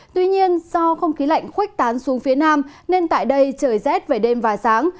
tuy nhiên do không khí lạnh khuếch tán xuống phía nam nên tại đây trời rét về đêm và sáng